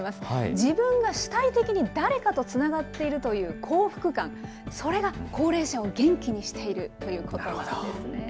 自分が主体的に誰かとつながっているという幸福感、それが高齢者を元気にしているということなんですね。